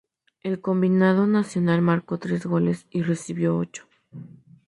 El combinado nacional marcó tres goles y recibió ocho.